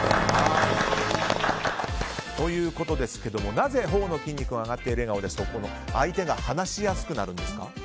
なぜ頬の筋肉が上がっている笑顔ですと相手が話しやすくなるんですか？